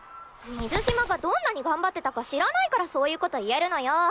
水嶋がどんなに頑張ってたか知らないからそういうこと言えるのよ！